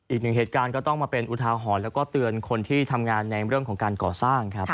อีกหนึ่งเหตุการณ์ก็ต้องมาเป็นอุทาหรณ์แล้วก็เตือนคนที่ทำงานในเรื่องของการก่อสร้างครับ